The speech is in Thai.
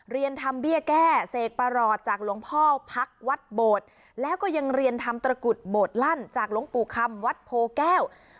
เรียนทำเบี้ยแก้เสกประหลอดจากหลวงพ่อพักวัดโบดแล้วก็ยังเรียนทำตระกุดโบดลั่นจากหลวงปู่คำวัดโพแก้ว